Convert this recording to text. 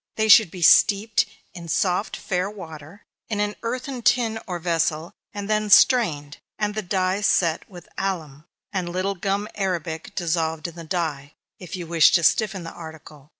They should be steeped in soft fair water, in an earthen or tin vessel, and then strained, and the dye set with alum, and a little gum arabic dissolved in the dye, if you wish to stiffen the article.